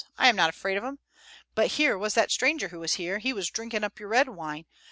I am not afraid of 'em; but here was that stranger who was here, he was drinking up your red wine.